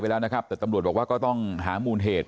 แล้วนะครับแต่ตำรวจบอกว่าก็ต้องหามูลเหตุ